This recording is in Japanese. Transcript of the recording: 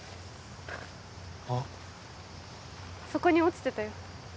あっそこに落ちてたよ